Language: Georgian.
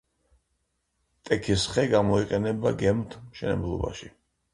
ტექის ხე გამოიყენება გემთმშენებლობაში.